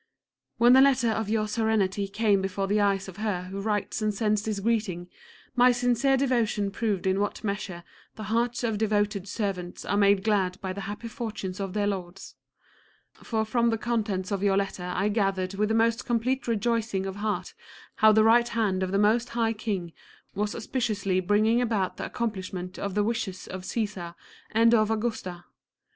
When the letter of your Serenity came before the eyes of her who writes and sends this greeting, my sincere devotion proved in what measure the hearts of devoted servants are made glad by the happy fortunes of their Lords. For from the contents of your letter I gathered with the most complete rejoicing of heart how the right hand of the Most High King was auspiciously bringing about the accomplishment of the wishes of Caesar and of Augusta.